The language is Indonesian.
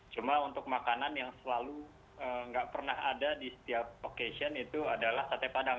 cuma untuk makanan yang selalu nggak pernah ada di setiap occation itu adalah sate padang